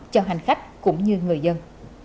cho hành khách cũng như người dân